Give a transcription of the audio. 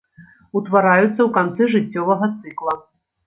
Утвараюцца ў канцы жыццёвага цыкла.